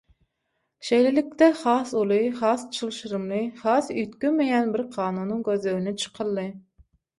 Şeýlelikde has uly, has çylşyrymly, has üýtgemeýän bir kanunyň gözlegine çykyldy.